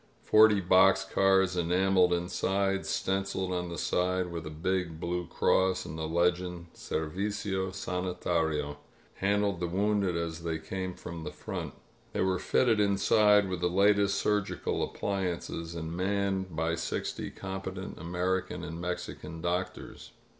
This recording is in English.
Forty box cars, enameled inside, stenciled on the side with a big blue cross and the legend, "Servicio Sani tario," handled the wounded as they came from the front. They were fitted inside with the latest surgical appliances and manned by sixty competent American and Mexican doctors.